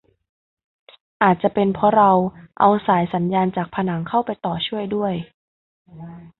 อาจจะเป็นเพราะเราเอาสายสัญญาณจากผนังเข้าไปต่อช่วยด้วย